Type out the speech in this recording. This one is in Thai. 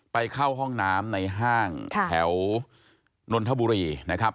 เข้าห้องน้ำในห้างแถวนนทบุรีนะครับ